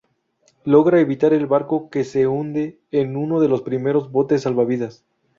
Logra evitar el barco que se hunde en uno de los primeros botes salvavidas.